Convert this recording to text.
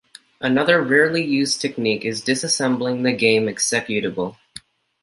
Another rarely used technique is disassembling the game executable.